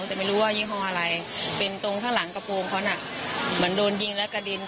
แต่ไม่รู้ว่ายิงของอะไรด้วยทรงข้างหลังกระโปรงมันโดนยิงแล้วกระดิ้น